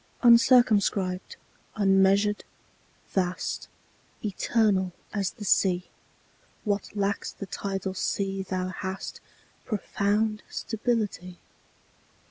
UNCIRCUMSCRIBED, unmeasured, vast, Eternal as the Sea; What lacks the tidal sea thou hast Profound stability.